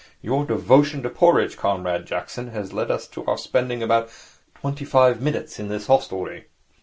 Your devotion to porridge, Comrade Jackson, has led to our spending about twenty five minutes in this hostelry.'